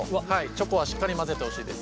チョコはしっかり混ぜてほしいです。